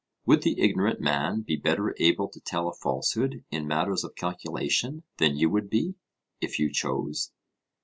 Would the ignorant man be better able to tell a falsehood in matters of calculation than you would be, if you chose?